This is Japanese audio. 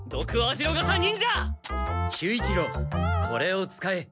守一郎これを使え。